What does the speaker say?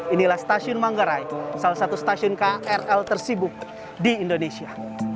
inilah stasiun manggarai salah satu stasiun krl tersibuk di indonesia